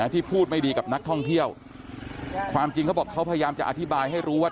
ที่พูดไม่ดีกับนักท่องเที่ยวความจริงเขาบอกเขาพยายามจะอธิบายให้รู้ว่า